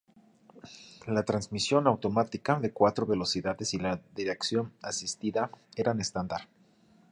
La transmisión automática de cuatro velocidades y la dirección asistida eran estándar.